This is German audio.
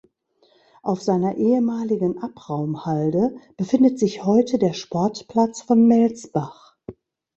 Auf seiner ehemaligen Abraumhalde befindet sich heute der Sportplatz von Melsbach.